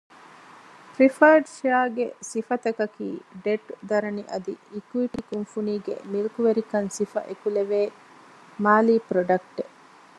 ޕްރެފަރޑް ޝެއަރގެ ސިފަތަކަކީ ޑެޓް ދަރަނި އަދި އިކުއިޓީ ކުންފުނީގެ މިލްކުވެރިކަން ސިފަ އެކުލެވޭ މާލީ ޕްރޮޑަކްޓެއް